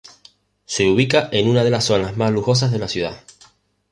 Se ubica en una de las zonas más lujosas de la ciudad.